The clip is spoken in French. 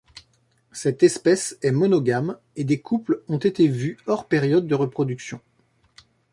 Cette espèce est monogame et des couples ont été vus hors période de reproduction.